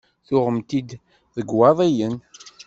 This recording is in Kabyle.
Tuɣem-t-id deg Iwaḍiyen?